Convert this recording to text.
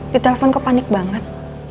di telpon kau panik banget